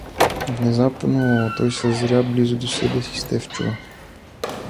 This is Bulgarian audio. Внезапно той съзря близо до себе си Стефчова.